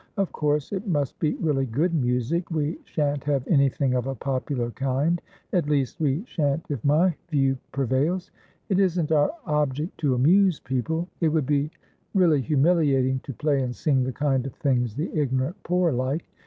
Of course it must be really good music; we shan't have anything of a popular kindat least, we shan't if my view prevails. It isn't our object to amuse people; it would be really humiliating to play and sing the kind of things the ignorant poor like.